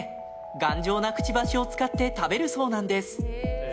頑丈なくちばしを使って食べるそうなんです。